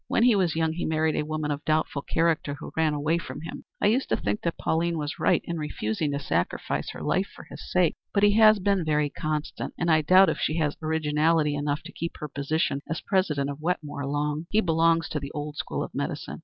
When he was young he married a woman of doubtful character, who ran away from him. I used to think that Pauline was right in refusing to sacrifice her life for his sake. But he has been very constant, and I doubt if she has originality enough to keep her position as president of Wetmore long. He belongs to the old school of medicine.